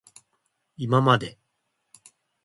いままで